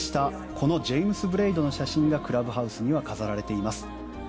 このジェイムス・ブレイドの写真がクラブハウスには飾られています。